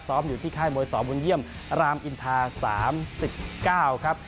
อยู่ที่ค่ายมวยสบุญเยี่ยมรามอินทา๓๙ครับ